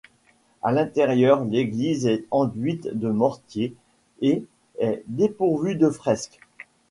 À l'intérieur, l'église est enduite de mortier et est dépourvue de fresques.